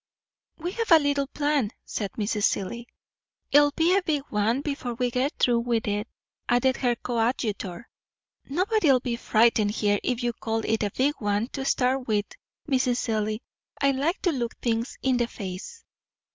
"We have a little plan," said Mrs. Seelye. "It'll be a big one, before we get through with it," added her coadjutor. "Nobody'll be frightened here if you call it a big one to start with, Mrs. Seelye. I like to look things in the face."